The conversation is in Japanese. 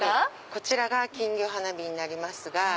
こちらが金魚花火になります。